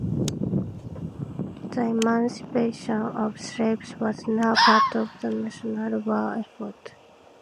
The emancipation of slaves was now part of the national war effort.